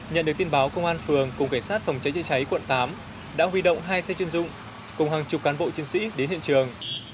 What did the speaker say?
nhận được tin báo công an phường cùng cảnh sát phòng cháy chữa cháy quận tám đã huy động hai xe chuyên dụng cùng hàng chục cán bộ chiến sĩ đến hiện trường